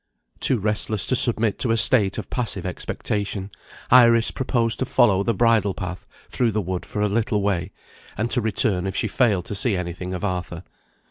Too restless to submit to a state of passive expectation, Iris proposed to follow the bridle path through the wood for a little way, and to return if she failed to see anything of Arthur.